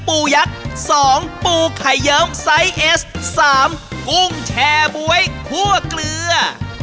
ยักษ์๒ปูไข่เยิ้มไซส์เอส๓กุ้งแชร์บ๊วยคั่วเกลือ